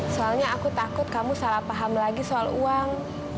soalnya aku takut kamu salah paham lagi soal uang